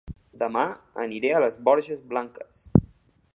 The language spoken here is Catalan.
Dema aniré a Les Borges Blanques